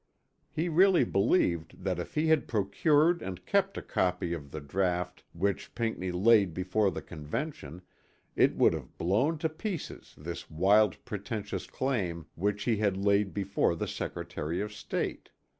He really believed that if he had procured and kept a copy of the draught which Pinckney laid before the Convention, it would have blown to pieces this wild pretentious claim which he had laid before the Secretary of State.